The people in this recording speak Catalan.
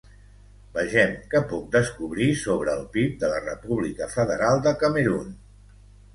Vegem què puc descobrir sobre el PIB de la República Federal de Camerun.